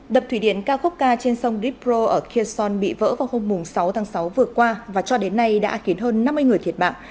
đập thủy điện kakhovka trên sông dnipro ở kherson bị vỡ vào hôm sáu tháng sáu vừa qua và cho đến nay đã khiến hơn năm mươi người thiệt bạc